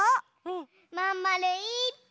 まんまるいっぱい！